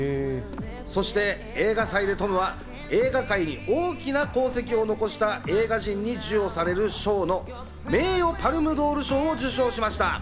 そして映画祭でトムは映画界に大きな功績を残した映画人に授与される賞の名誉パルムドール賞を受賞しました。